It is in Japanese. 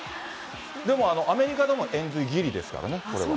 でも、アメリカでもエンズイギリですからね、これは。